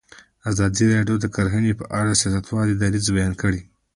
ازادي راډیو د کرهنه په اړه د سیاستوالو دریځ بیان کړی.